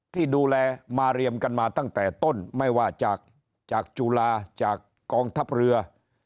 ที่ดูแลมาเรียมกันมาตั้งแต่ต้นไม่ว่าจากจากจุฬาจากกองทัพเรือ